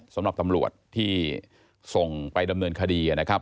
สำหรับตำรวจที่ส่งไปดำเนินคดีนะครับ